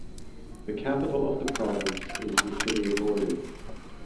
The capital of the province is the city of Ordu.